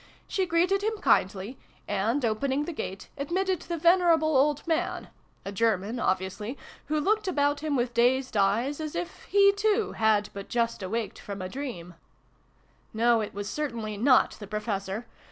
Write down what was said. She greeted him kindly, and, opening the gate, admitted the venerable old man a German, obviously who looked about him with dazed eyes, as if he, too, had but just awaked from a dream ! vn] MEIN HERR. 99 No, it was certainly not the Professor